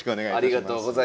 ありがとうございます。